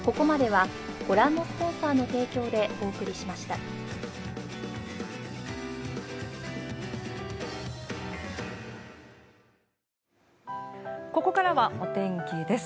あふっここからはお天気です。